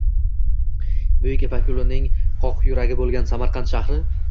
Buyuk Ipak yoʻlining qoq yuragi boʻlgan Samarqand shahri.